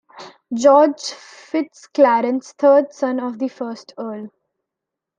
George FitzClarence, third son of the first Earl.